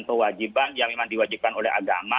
kewajiban yang memang diwajibkan oleh agama